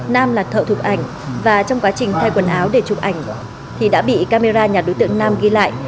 nam là thợ thuộc ảnh và trong quá trình thay quần áo để chụp ảnh thì đã bị camera nhà đối tượng nam ghi lại